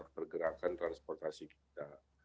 pergerakan transportasi kita